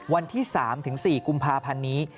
วันที่๓๔กุมภาพันธ์นี้